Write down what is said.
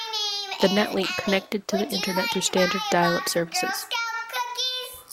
The Net Link connected to the internet through standard dial-up services.